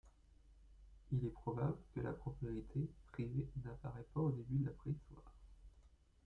Il est probable que la propriété privée n'apparaît pas au début de la Préhistoire.